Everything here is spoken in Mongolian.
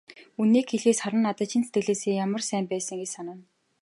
Үнэнийг хэлэхэд, Саран надад чин сэтгэлээсээ ямар сайн байсан гэж санана.